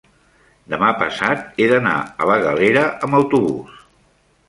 demà passat he d'anar a la Galera amb autobús.